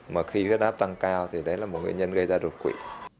mà khi huyết áp tăng cao thì đấy là một nguyên nhân gây ra đột quỵ